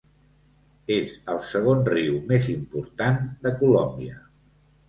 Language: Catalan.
És el segon riu més important de Colòmbia.